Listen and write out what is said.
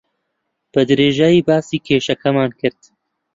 بەدرێژی باسی کێشەکەمان کرد.